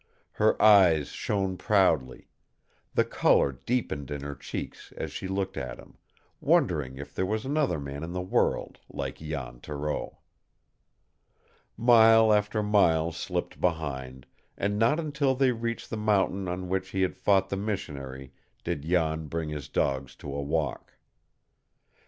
Her eyes shone proudly; the color deepened in her cheeks as she looked at him, wondering if there was another man in the world like Jan Thoreau. Mile after mile slipped behind, and not until they reached the mountain on which he had fought the missionary did Jan bring his dogs to a walk.